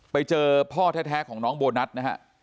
ไปเจอพ่อแท้ของน้องโบนัสนะฮะ